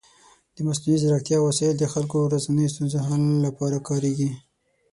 د مصنوعي ځیرکتیا وسایل د خلکو د ورځنیو ستونزو حل لپاره کارېږي.